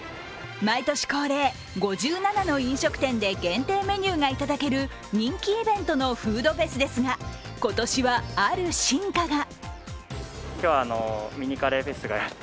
毎年恒例、５７の飲食店で限定メニューが頂ける人気イベントのフードフェスですが、今年はある進化が。